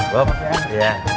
bagi ini dua puluh satu usd